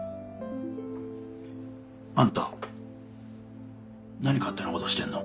あんた何勝手なことしてんの？